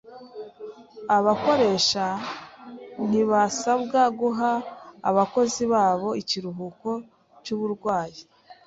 Abakoresha ntibasabwa guha abakozi babo ikiruhuko cy’uburwayi.